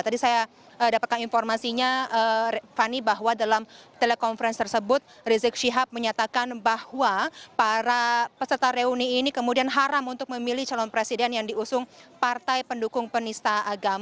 tadi saya dapatkan informasinya fani bahwa dalam telekonferensi tersebut rizik syihab menyatakan bahwa para peserta reuni ini kemudian haram untuk memilih calon presiden yang diusung partai pendukung penista agama